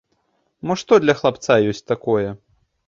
Мо што для хлапца ёсць такое?